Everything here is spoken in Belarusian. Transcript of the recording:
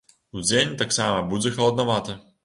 Удзень таксама будзе халаднавата.